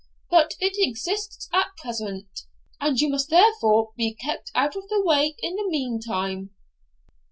But it exists at present, and you must therefore be kept out of the way in the mean time.'